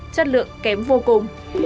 chất lượng kém vô cùng